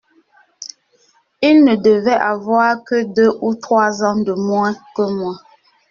Il ne devait avoir que deux ou trois ans de moins que moi.